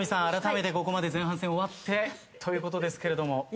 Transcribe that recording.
あらためてここまで前半戦終わってということですけれども。